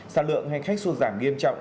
sao lượng hành khách sụt giảm nghiêm trọng